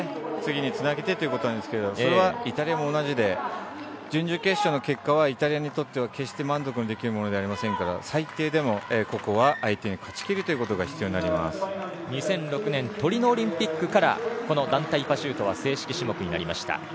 次につなげてということですがそれはイタリアも同じで準々決勝の結果はイタリアにとって決して満足できるものではありませんから最低でもここは相手に勝ちきることが２００６年トリノオリンピックからこの団体パシュートは正式種目になりました。